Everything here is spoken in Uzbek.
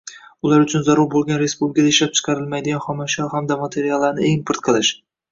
ular uchun zarur bo’lgan respublikada ishlab chiqarilmaydigan xom ashyo hamda materiallarni import qilish